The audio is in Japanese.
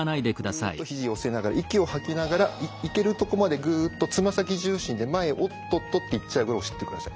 グッとひじ寄せながら息を吐きながらいけるところまでグッとつま先重心で前おっとっとっていっちゃうぐらい押してください。